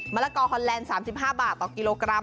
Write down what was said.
ละกอฮอนแลนด์๓๕บาทต่อกิโลกรัม